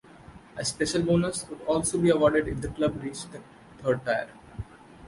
A special bonus would also be awarded if the club reached the third tier.